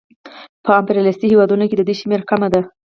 په امپریالیستي هېوادونو کې د دوی شمېره کمه ده